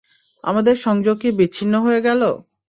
আমাদের সংযোগ কি বিচ্ছিন্ন হয়ে গেলো?